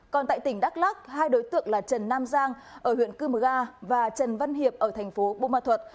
còn tại tỉnh đắk lắc hai đối tượng là trần nam giang ở huyện cư mực a và trần văn hiệp ở thành phố bô ma thuật